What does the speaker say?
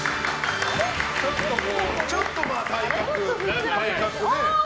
ちょっと体格ね。